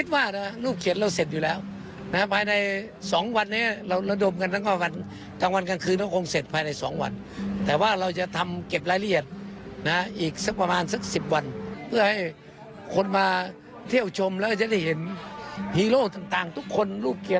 ให้เห็นถึงการช่วยเด็กการทำงานของทุกหน่วย